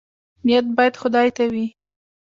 نیت باید خدای ته وي